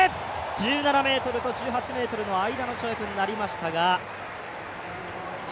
１７ｍと１８ｍの間の跳躍になりましたが。